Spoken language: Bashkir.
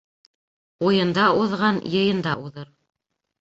Уйында уҙған йыйында уҙыр.